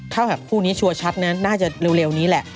ถ้าแบบคู่นี้ชัวร์ชัดนะน่าจะเร็วนี้แหละ